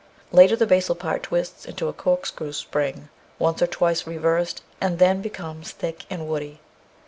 Later the basal part twists into a corkscrew spring once or twice reversed, and then becomes thick and woody.